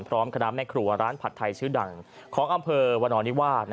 พร้อมคณะแม่ครัวร้านผัดไทยชื่อดังของอำเภอวนอนิวาส